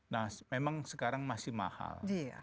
nah memang sekarang masih mahal